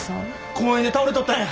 公園で倒れとったんや。